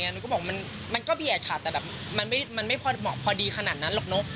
หนูก็บอกมันก็เบียดค่ะแต่แบบมันไม่พอดีขนาดนั้นหรอกเนอะ